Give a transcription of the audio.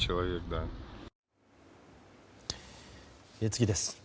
次です。